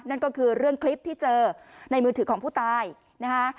นั่นก็คือเรื่องคลิปที่เจอในมือถือของผู้ตายนะคะ